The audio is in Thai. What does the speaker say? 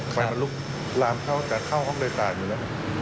ไฟมันลุกลามเข้าจะเข้าห้องเลยต่างอยู่แล้วครับ